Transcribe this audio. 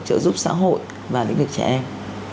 trợ giúp xã hội và lĩnh vực trẻ em